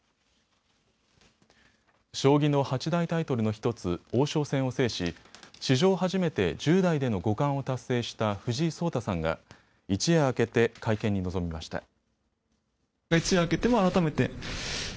将棋の八大タイトルの１つ、王将戦を制し史上初めて１０代での五冠を達成した藤井聡太さんが一夜明けて会見に臨みました。